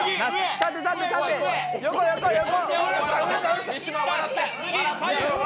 横、横！